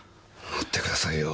待ってくださいよ。